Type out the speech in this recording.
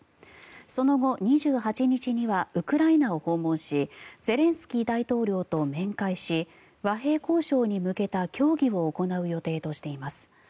その後、２８日にはウクライナを訪問しゼレンスキー大統領と面会し和平交渉に向けた協議を行う予定としています。